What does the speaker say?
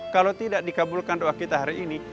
kalau tidak dikabulkan doa kita hari ini